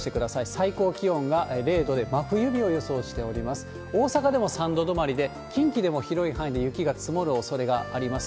最高気温が０度で真冬日を予想しております。